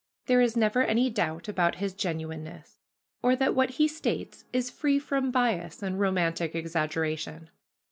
There is never any doubt about his genuineness, or that what he states is free from bias and romantic exaggeration.